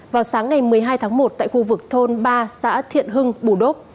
vào sáng ngày một mươi hai tháng một tại khu vực thôn ba xã thiện hưng bù đốc